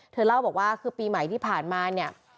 เล่าบอกว่าคือปีใหม่ที่ผ่านมาเนี่ย